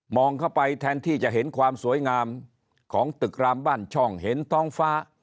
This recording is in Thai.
องเข้าไปแทนที่จะเห็นความสวยงามของตึกรามบ้านช่องเห็นท้องฟ้า